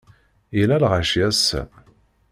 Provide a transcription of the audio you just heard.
Yella lɣaci ass-a.